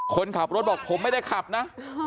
คนขับรถบอกผมไม่ได้ขับนะ